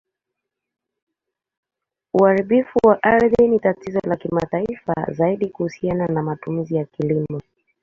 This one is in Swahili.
Uharibifu wa ardhi ni tatizo la kimataifa, zaidi kuhusiana na matumizi ya kilimo.